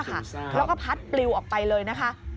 แล้วก็พัดปลิวออกไปเลยนะคะ